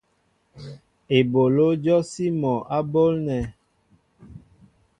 Eɓoló jɔsí mol á ɓólnέ.